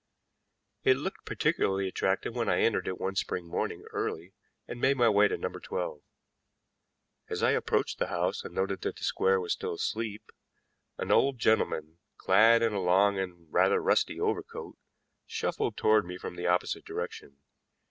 It looked particularly attractive when I entered it one spring morning early and made my way to No. 12. As I approached the house and noted that the square was still asleep, an old gentleman, clad in a long and rather rusty overcoat, shuffled toward me from the opposite direction.